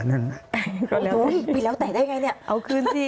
วันต่อนะเอาคืนสิ